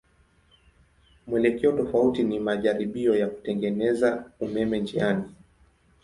Mwelekeo tofauti ni majaribio ya kutengeneza umeme njiani.